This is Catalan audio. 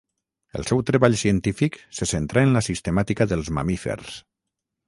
El seu treball científic se centrà en la sistemàtica dels mamífers.